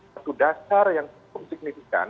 satu dasar yang cukup signifikan